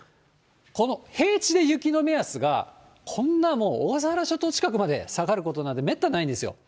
この平地で雪の目安が、こんな、小笠原諸島近くまで下がることなんてめったにないんですよ。